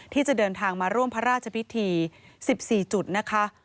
ที่จะเดินทางมาร่วมพระราชพิธี๑๔จุดนะคะ